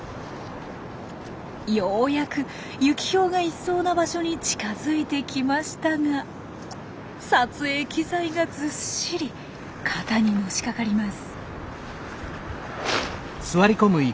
ようやくユキヒョウがいそうな場所に近づいてきましたが撮影機材がずっしり肩にのしかかります。